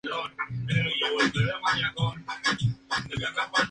Los ojos son de color marrón.